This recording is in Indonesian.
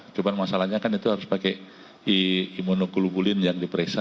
cuma masalahnya kan itu harus pakai imunokulubulin yang diperiksa